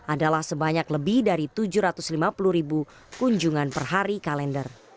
adalah sebanyak lebih dari tujuh ratus lima puluh kunjungan